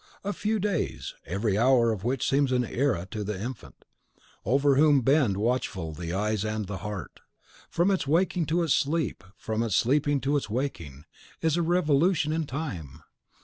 A few days, every hour of which seems an era to the infant, over whom bend watchful the eyes and the heart. From its waking to its sleep, from its sleep to its waking, is a revolution in Time.